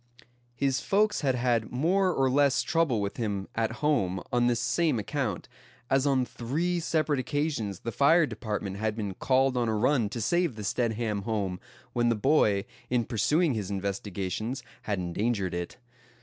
His folks had had more or less trouble with him at home on this same account; as on three separate occasions the fire department had been called on a run to save the Stedham home, when the boy, in pursuing his investigations, had endangered it.